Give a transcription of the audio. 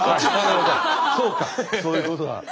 そうかそういうことだ。